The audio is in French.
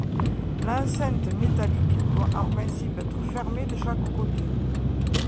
L’enceinte métallique doit en principe être fermée de chaque côté.